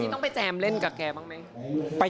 ต้องไปแจมเล่นกับแคร์บ้างมั้ย